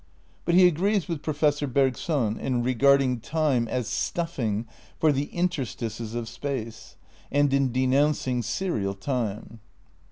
But he agrees with Professor Bergson in regarding time as stuffing for the interstices of space, and in de nouncing serial time.